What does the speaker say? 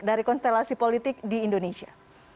dari konstelasi politik di indonesia